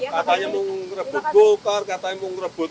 katanya mau merebut bokar katanya mau merebut